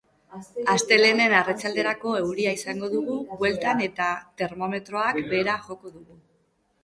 Astelehen arratsalderako euria izango dugu bueltan eta termometroak behera joko du.